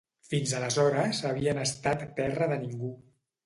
Fins aleshores havien estat terra de ningú.